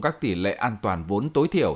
các tỷ lệ an toàn vốn tối thiểu